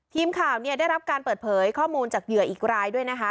ทีมข่าวเนี่ยได้รับการเปิดเผยข้อมูลจากเหยื่ออีกรายด้วยนะคะ